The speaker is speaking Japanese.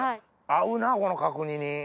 合うなこの角煮に。